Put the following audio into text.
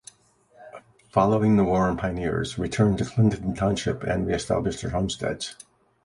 Following the war the pioneers returned to Clinton Township and reestablished their homesteads.